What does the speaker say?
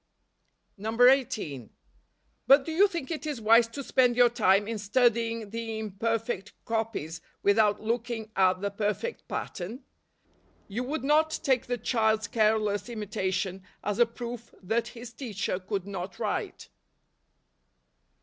130 NOVEMBER. 18. But do you think it is wise to spend your time in studying the imperfect copies, without looking at the perfect pattern ? You would not take the child's careless imitation as a proof that his teacher could not write.